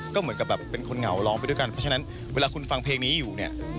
ก็เหมือนกับแบบเป็นคนเหงาร้องไปด้วยกันเพราะฉะนั้นเวลาคุณฟังเพลงนี้อยู่เนี่ย